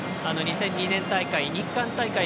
２００２年大会、日韓大会